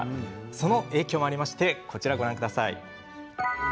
その影響もありましてこちらをご覧ください。